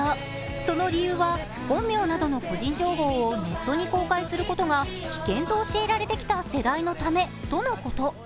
その理由は、本名などの個人情報をネットに公開することが危険と教えられてきた世代のためとのこと。